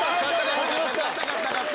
勝った勝った勝った。